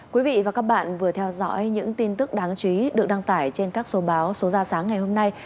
quý vị và các bạn vừa theo dõi những tin tức đáng chú ý được đăng tải trên các số báo số ra sáng ngày hôm nay